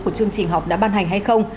của chương trình học đã ban hành hay không